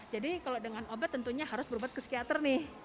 jadi kalau dengan obat tentunya harus berubat ke psikiater nih